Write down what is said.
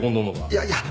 いやいや。